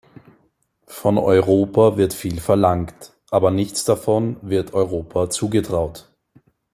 Von Europa wird viel verlangt, aber nichts davon wird Europa zugetraut.